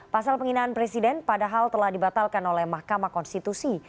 pasal penghinaan presiden padahal telah dibatalkan oleh mahkamah konstitusi